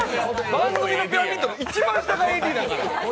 番組ピラミッドの一番下がＡＤなんやから！